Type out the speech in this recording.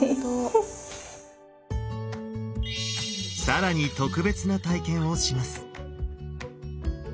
更に特別な体験をします。